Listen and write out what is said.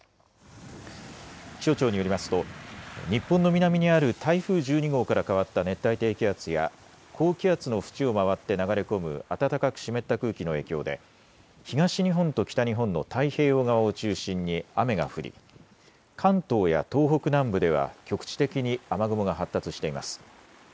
気象庁によりますと日本の南にある台風１２号から変わった熱帯低気圧や高気圧の縁を回って流れ込む暖かく湿った空気の影響で東日本と北日本の太平洋側を中心に雨が降り関東や東北南部では局地的に雨雲が発達しています。